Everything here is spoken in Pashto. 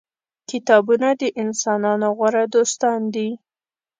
کتابونه د انسانانو غوره دوستان دي.